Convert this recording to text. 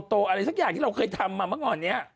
อะไรสักอย่างที่เราเคยทำมาเมื่อก่อนนี้